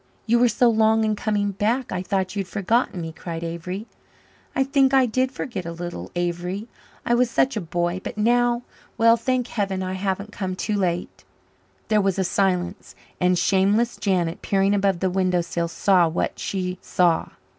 "You were so long in coming back I thought you had forgotten me," cried Avery. "I think I did forget a little, Avery. I was such a boy. But now well, thank Heaven, I haven't come too late." There was a silence, and shameless Janet, peering above the window sill, saw what she saw.